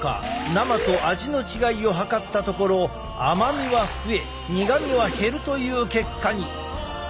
生と味の違いを測ったところ甘みは増え苦みは減るという結果に！